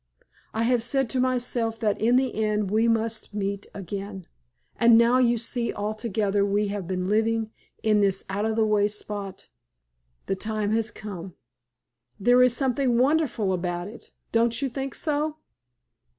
I have said to myself that in the end we must meet again, and now you see although we have been living in this out of the way spot, the time has come. There is something wonderful about it. Don't you think so?"